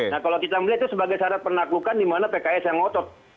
nah kalau kita melihat itu sebagai syarat penaklukan di mana pks yang ngotot